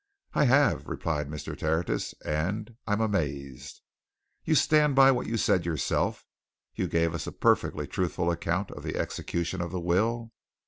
"I have!" replied Mr. Tertius. "And I am amazed!" "You stand by what you said yourself? You gave us a perfectly truthful account of the execution of the will?"